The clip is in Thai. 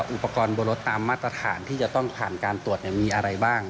อุปกรณ์บนรถตามมาตรฐานที่จะต้องผ่านการตรวจมีอะไรบ้าง